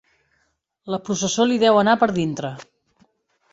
La processó li deu anar per dintre.